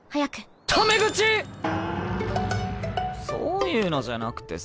タメ口⁉そういうのじゃなくてさ。